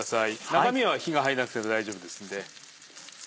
中身は火が入らなくても大丈夫ですので。